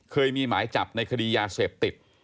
เคยมีหมายจับในคดียาเสพติด